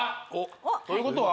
あっということは？